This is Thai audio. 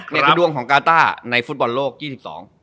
ในกระดวงของกาต้าในฟุตบอลโลกที่๑๒